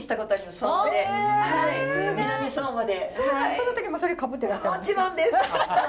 その時もそれかぶってらっしゃるんですか？